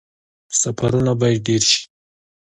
سفرونه باید ډیر شي